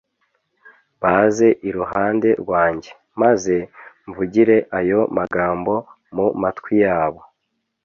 baze iruhande rwanjye; maze mvugire ayo magambo mu matwi yabo,